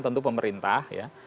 tentu pemerintah ya